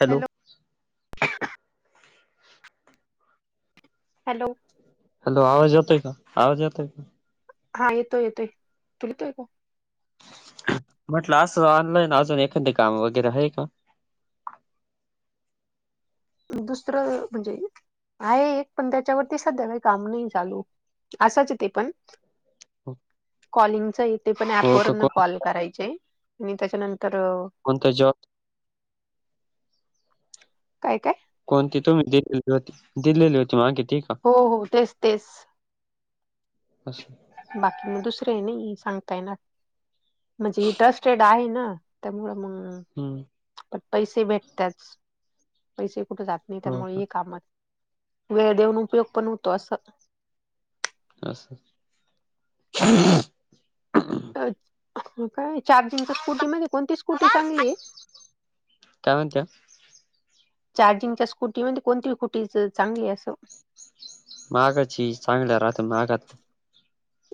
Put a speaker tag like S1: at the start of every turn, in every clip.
S1: Hello!
S2: Hello!
S1: Hello! आवाज येतोय का? आवाज येतोय का?
S2: हा येतोय येतोय, तुला येतोय का?
S1: म्हटलं असं ऑनलाईन अजून एखादे काम वगैरे आहे का?
S2: दुसरं म्हणजे आहे, एक पण त्याच्यावरती सध्या काही काम नाही चालू. असंच ते पण कॉलिंगच आहेते पण
S1: हो
S2: ऍपवर
S1: का कोण
S2: कॉल करायचे आणि त्याच्यानंतर
S1: मन त्याच्यावर
S2: काय काय.
S1: कोणती तुम्ही दिलेली होती, दिलेली होती मागे किती?
S2: हो हो, तेच तेच.
S1: अशं
S2: बाकी मग दुसरे आहे नाही सांगता येणार म्हणजे इ ट्रस्टेड आहे ना. त्यामुळे मग,
S1: हम्म!
S2: पण पैसे भेटतच पैसे कुठे जात नाही
S1: हो
S2: त्यामुळे
S1: का
S2: हे कामच वेळ देऊन उपयोग पण होतो असं,
S1: अस,
S2: अ काय चार्जिंगच्या स्कूटीमध्ये कोणती स्कूटी चांगली आहे.
S1: काय म्हणत्यास.
S2: चार्जिंगच्या स्कूटीमध्ये कोणती कुटी च- चांगली असं.
S1: मागाची चांगल्या राहते मागात.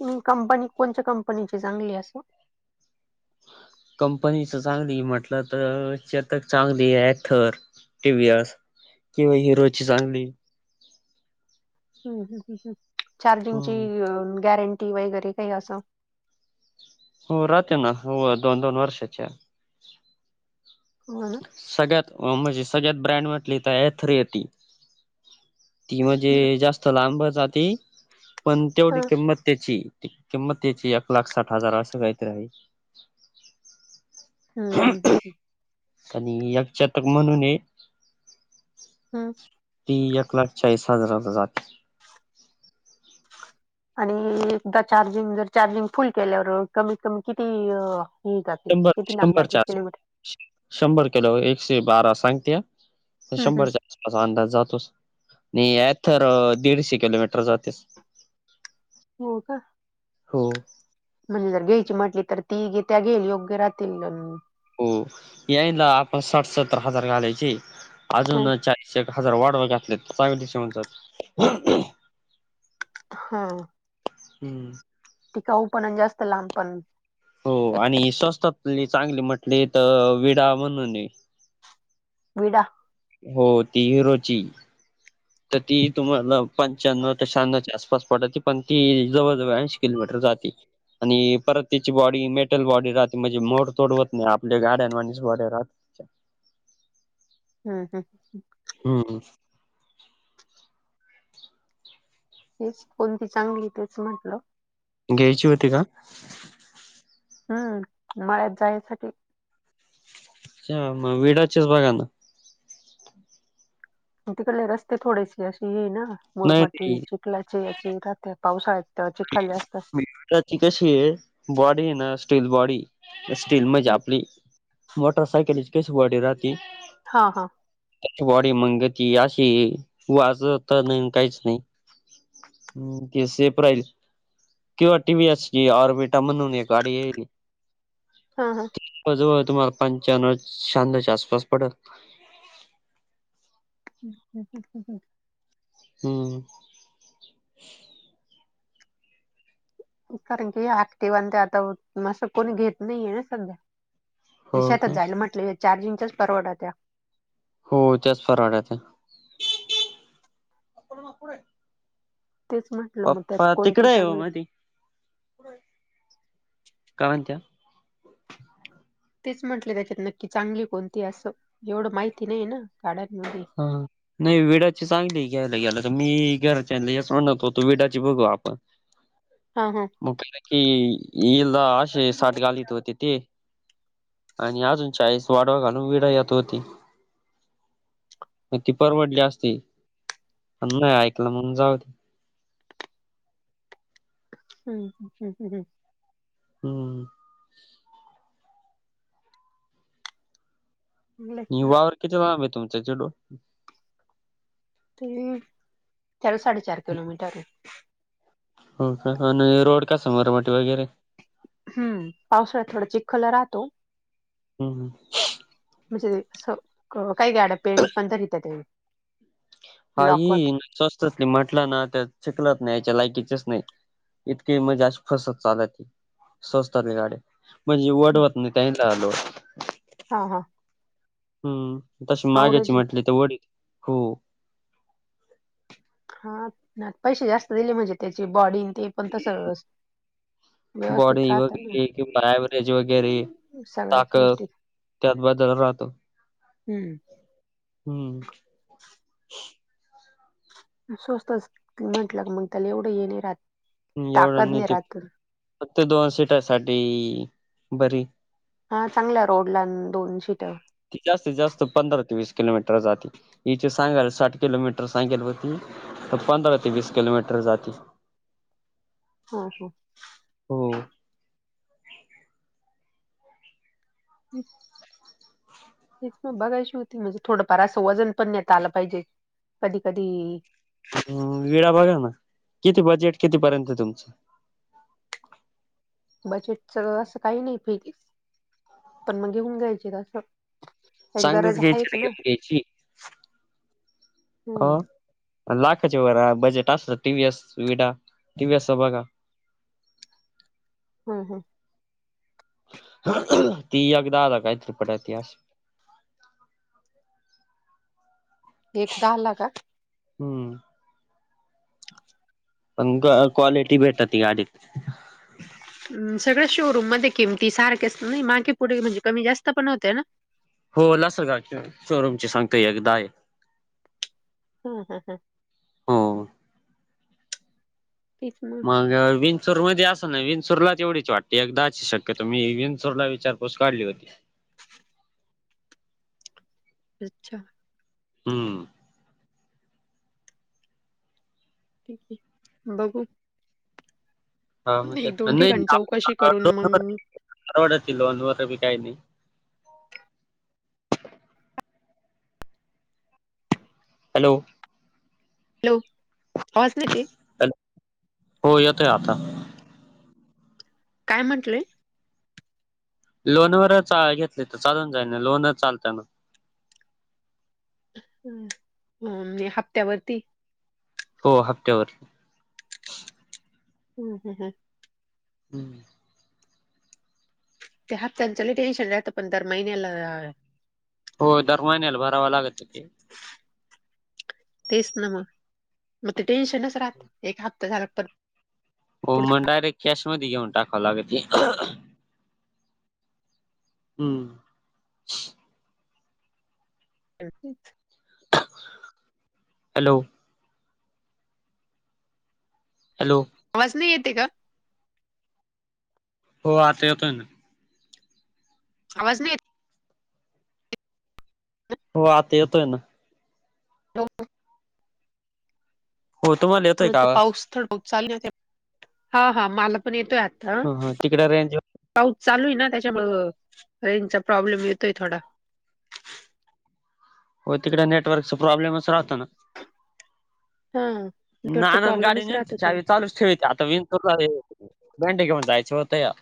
S2: म कंपनी कोणत्या कंपनीची चांगली असं.
S1: कंपनीच चांगली म्हटलं तर तक चांगली ऍथर, टीवएस‌. किंवा हिरोची चांगली.
S2: ह् ह चार्जिंगची
S1: हम्म
S2: गॅरंटी वगैरे काही असं.
S1: हो राहते ना हो दोन दोन वर्षाच्या.
S2: हो ना.
S1: सगळ्यात म्हणजे सगळ्यात ब्रँड म्हटली तर एथर ती. ती म्हणजे
S2: हम्म.
S1: जास्त लांब जाते पण तेवढी
S2: हा.
S1: किंमत त्याची. त किंमत त्याची एक लाख साठ हजार असं काहीतर हाय.
S2: हम्, हम्, हम्, हम.
S1: आणि एकजातक म्हणून हे.
S2: हा.
S1: ती एक लाख चाळीस हजाराला जाते.
S2: आणि एकदा चार्जिंग जर चार्जिंग फुल केल्यावर. कमीत कमी किती अ जाते.
S1: शंभर
S2: किती लांब जाते.
S1: शंभरच्या
S2: किलोमीटर.
S1: आस शंभर किलो, एकशे बारा सांगत्या.
S2: हम्म हम्म.
S1: शंभरच्या अंदाज जातोस. आणि अथर दीडशे किलोमीटर जातेच. [unintelligible]
S2: हो का?
S1: हो.
S2: म्हणजे जर घ्यायची म्हटली तर, ती. त्या घेईल योग्य राहतील.
S1: हो. याईनला आपण साठ सत्तर हजार घालायचे.
S2: हं.
S1: अजून चाळीस एक हजार वाढवा घातले त, चांगलीच येऊन जाती.
S2: ह.
S1: हम्म.
S2: टिकाऊ पण, जास्त लाब पण.
S1: हो. आणि स्वस्तातली चांगली म्हटली त विडा म्हणूने.
S2: विडा.
S1: हो ती हिरोची. त ती तुम्हाला पंच्याणो ते शहाण्णवच्या आसपास पडती. पण ती जवळजवळ ऐंशी किलोमीटर जाती. आणि परत तीची बॉडी मेटल बॉडी राहते. म्हणजे मोड तोड होत नाही. आपल्या गाड्यावाणीच बॉडी राहाते.
S2: हम्म हम्म.
S1: हम्म हम्म.
S2: तेच, कोणती चांगली तेच म्हटलं.
S1: घ्यायची होती का?
S2: हम्म. मळ्यात जायसाठी.
S1: अ म विेडाचीच बघा ना.
S2: तिकडले रस्ते थोडेसे असे हेय ना.
S1: नाही
S2: मुरमाटी,
S1: नाही
S2: चिखलाचे याचे राहात्या. पावसाळ्यात त चिखल जास्त
S1: त्याचि कशीये. बॉडीय ना स्टील बॉडीय. स्टील म्हणजे आपली, मोटरसायकलीची कशी बॉडी राहती.
S2: हा ह.
S1: त्या बॉडी मंगती अशी. वाजत नाही काहीच नाही. हम्म. ते सेप राहिल. किंवा टी व्ही एस ची, ऑर्बिटा म्हणून एक गाडी ययले.
S2: हा हा.
S1: जवळ जवळ तुम्हाला पांच्यानो शाहानोच्या आसपास पडेल.
S2: ह [unintelligible]
S1: हम्म.
S2: कारण की ह्या ऍक्टिवान ते आता असं कोणी घेत नाहीये ना सध्या. अन
S1: हो
S2: शेतात
S1: का
S2: जायला म्हंटल्याव ह्या चार्जिंगच्याच परवडत्या.
S1: हो त्याच परवडत्या. आप मपोर आहे [unintelligible]
S2: तेच म.
S1: पप्पा तिकडय ओ मधी. काय म्हणत्या?
S2: तेच म्हंटले त्याच्यात नक्की चांगली कोणतीय असं. एवढं माहिती नाहीये ना गडांमधी.
S1: ह, ह. नाही विेडाची चांगलीय घ्यायला गेल त. मी घराच्याला हेच म्हणत होतो. विेडाची बघू आपण. ह [unintelligible]
S2: ह, ह.
S1: [unintelligible] की ईला अशे साठ घालीत होते ते. आणि अजून चाळीस वाडवा घालून. विडा यत होती. म ती परवडली असती. पण नाही ऐकलं मग जाऊद्या.
S2: हम् ह् हम् हम् हम्
S1: हम्म
S2: हम्
S1: हवावर किती लांब आहे तुमचा चचेडू
S2: ते चल साडे चार किलोमीटर
S1: हो का आणि रोड कसा मरवाट वगैरे
S2: हम् पावसाळ्यात थोडा चिखल राहतो
S1: हम्म हम
S2: म्हणजे अस काय गड पेंट पण तरीत ते
S1: हा ह स्वस्तच नाही म्हटलं ना तर शिकलत नाही याच्या लायकीचच नाही इतकी मजाशी फसत चाल सजतात गाडी म्हणजे वड होत नाही त्या ला आलो
S2: हा हा
S1: हम्म तशी माग्याची
S2: आवरेज
S1: म्हटली तर वडी हो
S2: हा पैसे जास्त दिले म्हणजे त्याची बॉडी ते पण तस
S1: बॉडी वगैर किं अव्हरेज वगैर
S2: सगळ्याच
S1: ताकद
S2: गोष्टीत
S1: त्यात बदल राहतो
S2: हम्म
S1: हम्म
S2: स्वस्तच म्हंटलं क मग त्याला एवढं ये नाही राहत ताकद नाही राहत
S1: फ ते दोन सीटासाठी बरी
S2: हा चांगला रोड ला दोन शीटर
S1: ती जास्तीत जास्त पंधरा ते वीस किलोमीटर जाते इथ सांगायला साठ किलोमीटर सांगेल होती पांध ते वीस किलोमीटर जाते
S2: हा हा
S1: हो.
S2: हम् तेच मग बघायची होती म्हणजे थोडंफार असं वजन पण नता आलं पाहिजे कधी कधी
S1: अ वेळा बघा ना किती बजेट कितीपर्यंत तुमचं
S2: बजेटच असं काही नाही फेजस पण मग घेऊन घ्यायचें
S1: चांगलीच घ्यायची घ्यायची
S2: हम्म
S1: हो लाखाचे वर बजेट असत टी व्हीस सुविधा टी वएस चा बघा
S2: हा हा
S1: ती अगदा आ काय त्रिपटा इतिहास
S2: एकदाहा हला का
S1: हम्म पण क्वालिटी भेटर ती गाडीत
S2: सगळ्या शोरूम मध्ये किमती सारखेच नाही बाकी पुढे म्हणजे कमी जास्त पण होते ना
S1: हो ल सल का शोरूम सांगतोय एकदा आहे
S2: हा हा हा
S1: हो
S2: तचमु
S1: मग विंचूर मध्ये असं ना विंचूरलाच एवढीच वाटते एकदा अची शक्यता मी विंचूरला विचारपूस काढली होती
S2: अच्छा
S1: हम्म
S2: ठीक आहे बघू
S1: हा
S2: एक
S1: म्हगत
S2: दोन
S1: नाही
S2: ठिकाणी चौकशी करून मग
S1: परवड्यातील लोनवरी काही नाही हॅलो
S2: हॅलो वाचले ते
S1: ॅल हो येतोय आता
S2: काय म्हंटलंय?
S1: लोनवरच घेतले तर चालून जाई नाही लोनच चालतय ना
S2: म हप्त्यावरती
S1: हो हप्त्यावर.
S2: हम् हम हम
S1: हम्म
S2: त्या हप्त च टेन्शन राहतं पण तरर महिन्या
S1: हो दरवाहिन्याला भरावा लागत हो ते
S2: तेच ना मग मग ते टेन्शनच राहते एक हप्ता झाला पर
S1: हो
S2: पुढे
S1: मग डायरेक्ट कॅश मध्ये घेऊन टाकवलाग हम्म
S2: [unintelligible]
S1: हॅलो हॅलो
S2: आवाज नाही येते का?
S1: हो आता येतोय ना.
S2: आवाज नाही येत.
S1: हो आता येतोय ना.
S2: हो हो
S1: हो तुम्हाला ये
S2: मग ते पाऊस थडत चाल हा हा मला पण येतो आता
S1: ह ह तिकडे रेंज
S2: पाऊस चालू आहे ना त्याच्यामुळं रेंजचा प्रॉब्लेम येतोय थोडा.
S1: हो तिकडे नेटवर्कचा प्रॉब्लेमच राहत ना.
S2: हा नेटवर्कचा
S1: नानंद गाडी
S2: प्रॉब्लेमच
S1: नळते
S2: राहतो थोडा.
S1: चार चालूच ठेवते आता बेंडे घेऊन जायचं होत या